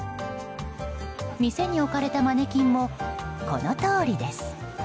店に置かれたマネキンもこのとおりです。